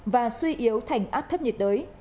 và suy yếu thành áp thấp nhiệt đới